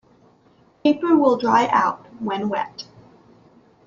Paper will dry out when wet.